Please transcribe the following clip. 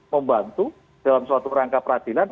membantu dalam suatu rangka peradilan